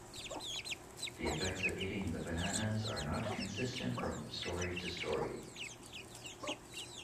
The effects of eating the bananas are not consistent from story to story.